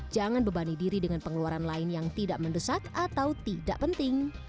jangan bebani diri dengan pengeluaran lain yang tidak mendesak atau tidak penting